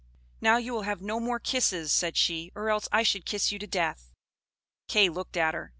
"Now you will have no more kisses," said she, "or else I should kiss you to death!" Kay looked at her.